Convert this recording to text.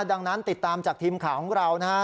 ดังนั้นติดตามจากทีมข่าวของเรานะฮะ